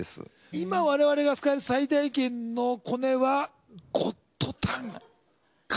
今我々が使える最大限のコネは『ゴッドタン』か？